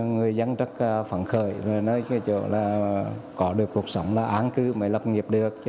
người dân rất phấn khởi có được cuộc sống là an cư mới lập nghiệp được